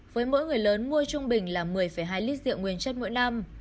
với mỗi người lớn mua trung bình là một mươi hai lít rượu nguyên chất mỗi năm